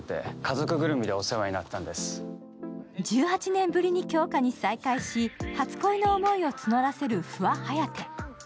１８年ぶりに杏花に再会し、初恋の思いを募らせる不破颯。